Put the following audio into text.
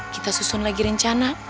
kita susun lagi rencana